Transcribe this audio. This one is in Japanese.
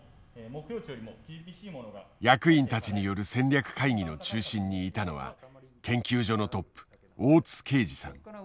役員たちによる戦略会議の中心にいたのは研究所のトップ大津啓司さん。